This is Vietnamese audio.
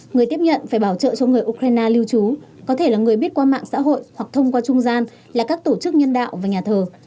người tiếp nhận phải bảo trợ cho người ukraine lưu trú có thể là người biết qua mạng xã hội hoặc thông qua trung gian là các tổ chức nhân đạo và nhà thờ